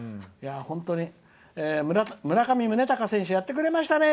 「本当に、村上宗隆選手やってくれましたね。